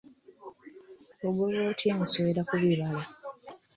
Ogoba otya enswera ku bibala?